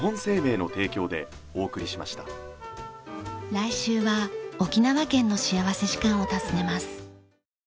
来週は沖縄県の幸福時間を訪ねます。